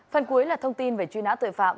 phần cuối là thông tin về truy nã tội phạm